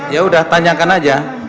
ya udah tanyakan aja